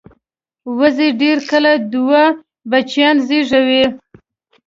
وزې ډېر کله دوه بچیان زېږوي